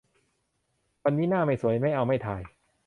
วันนี้หน้าไม่สวย ไม่เอา ไม่ถ่าย